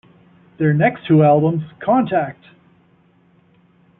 Their next two albums, Contact!